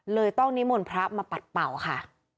ต้องนิมนต์พระมาปัดเป่าค่ะ